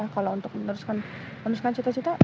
kalau untuk meneruskan meneruskan cita cita